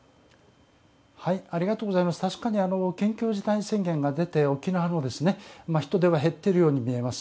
確かに緊急事態宣言が出て沖縄の人出は減っているように見えます。